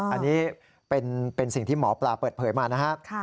อันนี้เป็นสิ่งที่หมอปลาเปิดเผยมานะครับ